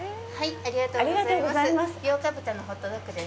ありがとうございます。